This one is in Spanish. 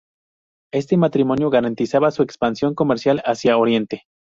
Este matrimonio garantizaba su expansión comercial hacia Oriente.